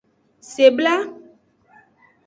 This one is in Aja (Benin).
Sebla.